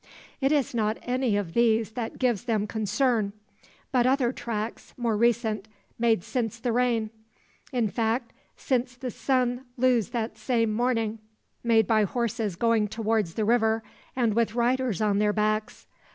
It is not any of these that gives them concern. But other tracks more recent, made since the ram in fact, since the sun lose that same morning made by horses going towards the river, and with riders on their backs.